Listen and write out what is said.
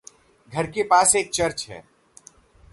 घर के पास एक चर्च है।